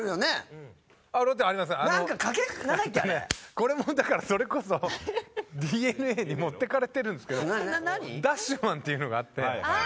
これもだからそれこそＤｅＮＡに持っていかれてるんですけどＤＡＳＨＭＡＮっていうのがあって。